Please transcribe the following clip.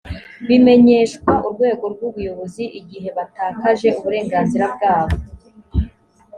bimenyeshwa urwego rw ubuyobozi igihe batakaje uburenganzira bwabo